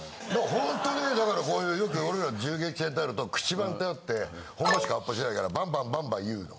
ほんとにねだからこういうよく俺ら銃撃戦になるとクチバンってあって本番しかアップしないからバンバン言うの。